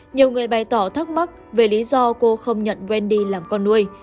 nhiều người bày tỏ thắc mắc về lý do cô không nhận wendy làm con nuôi